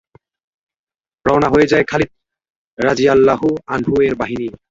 রওনা হয়ে যায় খালিদ রাযিয়াল্লাহু আনহু-এর বাহিনী।